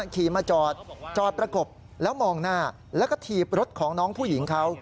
ขี่มาจอดจอดประกบแล้วมองหน้าแล้วก็ถีบรถของน้องผู้หญิงเขา